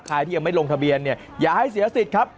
ที่ยังไม่ลงทะเบียนเนี่ยอย่าให้เสียสิทธิ์ครับ